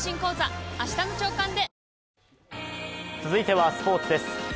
続いてはスポーツです。